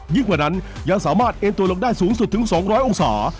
กว่านั้นยังสามารถเอ็นตัวลงได้สูงสุดถึง๒๐๐องศา